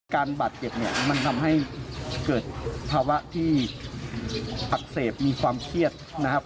การบาดเจ็บเนี่ยมันทำให้เกิดภาวะที่อักเสบมีความเครียดนะครับ